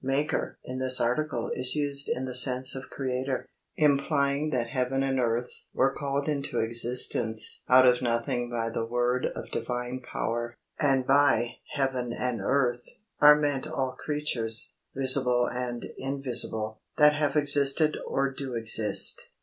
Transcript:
"Maker" in this article is used in the sense of Creator, implying that heaven and earth were called into existence out of nothing by the word of Divine power; and by "heaven and earth" are meant all creatures, visible and invisible, that have existed or do exist.